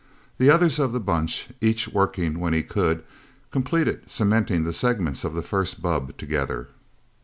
The others of the Bunch, each working when he could, completed cementing the segments of the first bubb together.